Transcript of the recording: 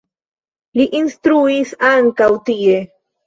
Li instruis ankaŭ tie.